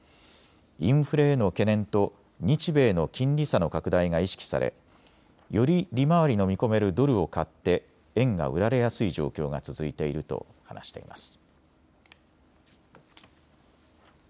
インフレへの懸念と日米の金利差の拡大が意識されより利回りの見込めるドルを買って円が売られやすい状況が続いていると話しています。